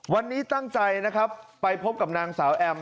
วันนี้ตั้งใจนะครับไปพบกับนางสาวแอม